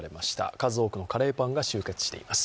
数多くのカレーパンが集結しています。